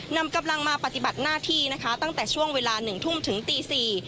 นำกำลังมาปฏิบัติหน้าที่นะคะตั้งแต่ช่วงเวลาหนึ่งทุ่มถึงตีสี่